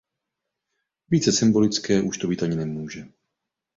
Více symbolické už to být ani nemůže.